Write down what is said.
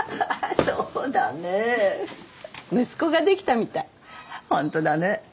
そうだね息子ができたみたい本当だね